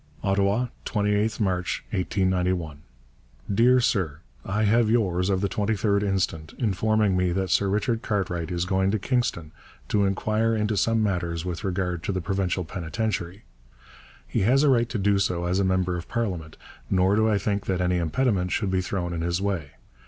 OTTAWA, 28_th March_ 1891. DEAR SIR, I have yours of the 23rd instant informing me that Sir Richard Cartwright is going to Kingston to inquire into some matters with regard to the Provincial penitentiary. He has a right to do so as a member of Parliament, nor do I think that any impediment should be thrown in his way.